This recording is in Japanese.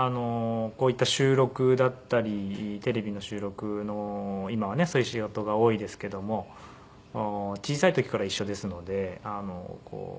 こういった収録だったりテレビの収録の今はねそういう仕事が多いですけども小さい時から一緒ですので。